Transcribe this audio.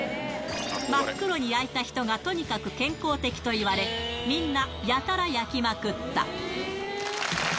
真っ黒に焼いた人がとにかく健康的といわれ、みんな、やたら焼きまくった。